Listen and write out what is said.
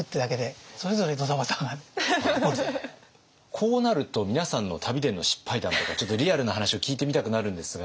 こうなると皆さんの旅での失敗談とかちょっとリアルな話を聞いてみたくなるんですが。